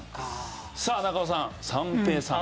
さあ中尾さん三平さん。